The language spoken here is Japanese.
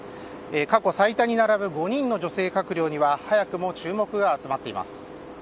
過去最多に並ぶ５人の女性閣僚には早くも注目が集まっています。